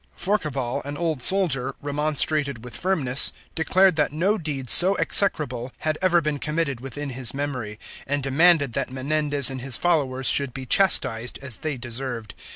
Forquevaulx, an old soldier, remonstrated with firmness, declared that no deeds so execrable had ever been committed within his memory, and demanded that Menendez and his followers should be chastised as they deserved.